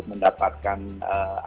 untuk mendapatkan aksesnya